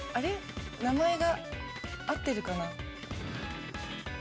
名前が合ってるかな。